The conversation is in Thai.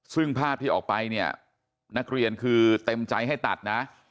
ซึ่งภาพที่ออกไปเนี่ยนักเรียนคือเต็มใจให้ตัดนะ